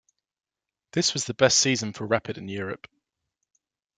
This was the best season for Rapid in Europe.